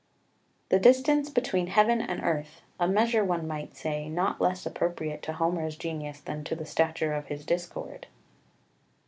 The distance between heaven and earth a measure, one might say, not less appropriate to Homer's genius than to the stature of his discord.